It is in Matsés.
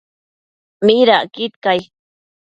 ¿midacquid cai ?